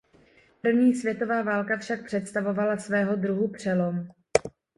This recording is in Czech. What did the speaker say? První světová válka však představovala svého druhu přelom.